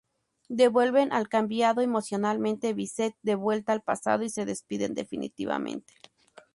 Devuelven al cambiado emocionalmente Vincent de vuelta al pasado y se despiden definitivamente.